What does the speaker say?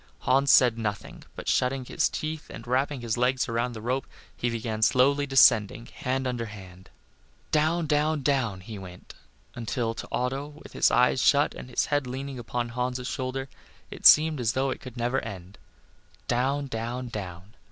Hans said nothing, but shutting his teeth and wrapping his legs around the rope, he began slowly descending, hand under hand. Down, down, down he went, until to Otto, with his eyes shut and his head leaning upon Hans' shoulder, it seemed as though it could never end. Down, down, down.